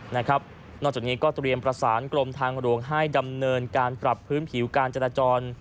นอกจากนี้ก็เตรียมประสานกรมทางหลวงให้ดำเนินการปรับพื้นผิวการจราจร